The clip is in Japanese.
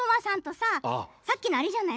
さっきのじゃない？